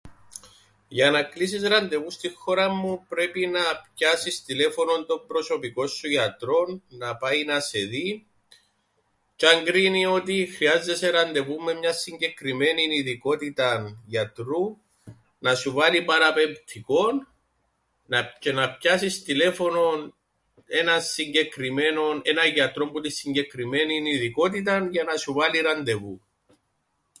Για να κλείσεις ραντεβού στην χώραν μου πρέπει να πιάσεις τηλέφωνο τον προσωπικόν σου γιατρόν, να πάει να σε δει, τζ̆' αν κρίνει ότι χρειάζεσαι ραντεβού με μιαν συγκεκριμένην ειδικότηταν γιατρού να σου βάλει παραπεμπτικόν να... τζ̆αι να πιάσεις τηλέφωνον έναν συγκεκριμένον... έναν γιατρόν που την συγκεκριμένην ειδικότηταν, για να σου βάλει ραντεβού.